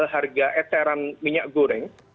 harga eteran minyak goreng